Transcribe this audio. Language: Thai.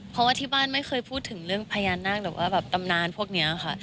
เพราะว่าที่บ้านไม่เคยพูดถึงเรื่องพญานาคหรือว่าแบบตำนานพวกนี้ค่ะ